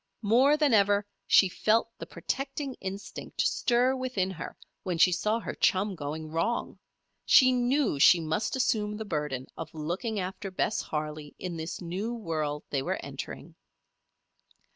More than ever she felt the protecting instinct stir within her when she saw her chum going wrong. She knew she must assume the burden of looking after Bess Harley in this new world they were entering.